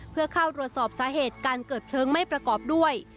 เพื่อเข้าตรวจสอบสาเหตุการเกิดเพลิงไม่ประกอบด้วย